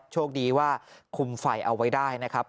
โชคดีว่าคุมไฟเอาไว้ได้นะครับ